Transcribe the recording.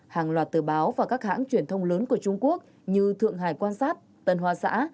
hàng loạt tờ báo và các hãng truyền thông lớn của trung quốc như thượng hải quan sát tân hoa xã